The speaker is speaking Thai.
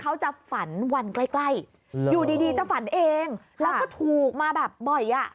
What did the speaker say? เขาจะฝันวันใกล้ใกล้อยู่ดีจะฝันเองแล้วก็ถูกมาแบบบ่อยอ่ะ